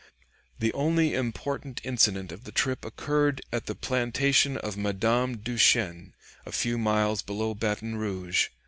The only important incident of the trip occurred at the plantation of Madame Duchesne, a few miles below Baton Rouge.